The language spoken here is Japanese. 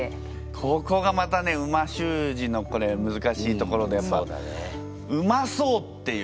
ここがまたね美味しゅう字のむずかしいところでやっぱうまそうっていう。